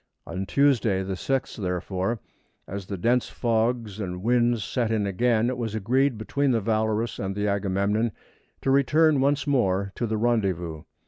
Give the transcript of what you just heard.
On Tuesday, the 6th, therefore, as the dense fogs and winds set in again it was agreed between the Valorous and Agamemnon to return once more to the rendezvous.